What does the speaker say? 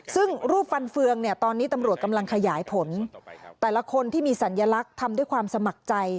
ซึ่งรูปฟันเฟืองเนี่ยตอนนี้ตำรวจกำลังขยายผลแต่ละคนที่มีสัญลักษณ์ทำด้วยความสมัครใจ